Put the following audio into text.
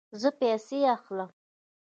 زه پیسې اخلم